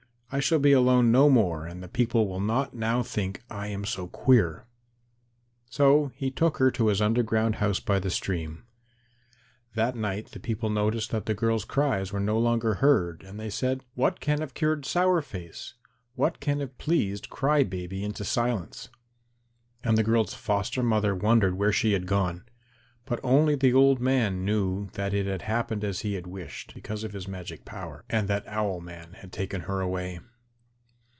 I shall be alone no more, and the people will not now think I am so queer." So he took her to his underground house by the stream. That night the people noticed that the girl's cries were no longer heard and they said, "What can have cured Sour face; what can have pleased Cry Baby into silence?" And the girl's foster mother wondered where she had gone. But only the old man knew that it had happened as he had wished, because of his magic power, and that Owl man had taken her away.